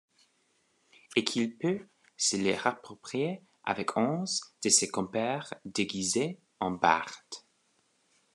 Et qu’il peut se les approprier avec onze de ses compères déguisés en bardes.